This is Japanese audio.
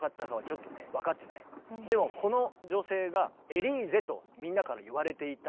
でもこの女性が「エリーゼ」とみんなから言われていた証拠が出てきた。